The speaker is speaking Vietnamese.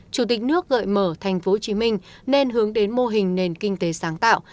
chủ tịch nước gợi mở tp hcm nên hướng đến mô hình nền kinh tế sáng tạo